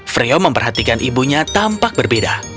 freo memperhatikan ibunya tampak berbeda